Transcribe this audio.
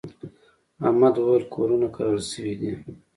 احمد وويل: کورونه کرل شوي دي.